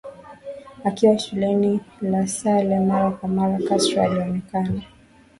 Akiwa shuleni La Salle mara kwa mara Castro alionekana